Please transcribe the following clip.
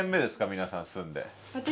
皆さん住んで。